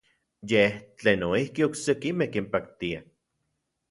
Yej tlen noijki oksekimej kinpaktia.